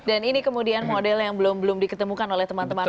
dan ini kemudian model yang belum belum diketemukan oleh teman teman